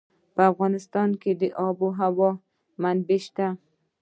په افغانستان کې د آب وهوا منابع شته.